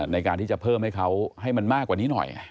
ในการที่จะเพิ่มให้เขาให้มันมากกว่านี้หน่อย